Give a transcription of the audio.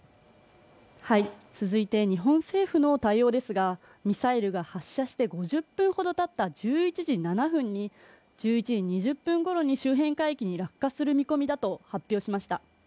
続いて日本政府の対応ですがミサイルが発射して５０分ほどたった１１時７分に１１時２０分ごろに周辺海域に落下する見込みだと発表しました。